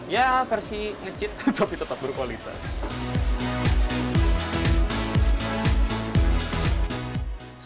ya versi ngecit tapi tetap berkualitas